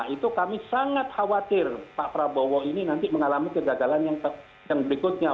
itu kami sangat khawatir pak prabowo ini nanti mengalami kegagalan yang berikutnya